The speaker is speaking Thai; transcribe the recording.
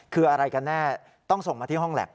คืออะไรกันแน่ต้องส่งมาที่ห้องแล็บ